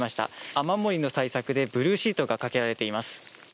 雨漏りの対策でブルーシートがかけられています。